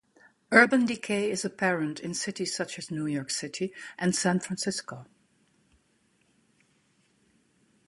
Urban decay is apparent in cities such as New York City and San Francisco.